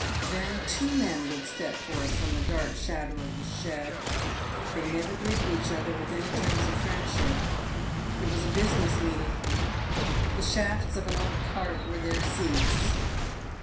Then two men would step forth from the dark shadow of the shed. They never greeted each other with any terms of friendship. It was a business meeting. The shafts of an old cart were their seats.